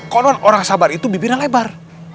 konon orang sabar itu bibirnya lebar